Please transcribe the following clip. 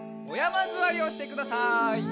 おやまずわりをしてください。